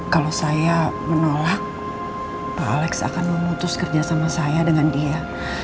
kalau saya menolak pak alex akan memutus kerjasama saya dengan dia